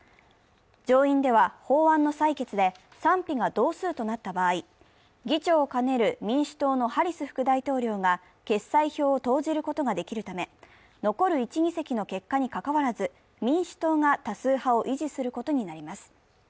上院では法案の採決で、賛否が同数となった場合、議長を兼ねる民主党のハリス副大統領が決裁票を投じることができるため、残る１議席の結果に関わらず、民主党が多数派を維持することになります。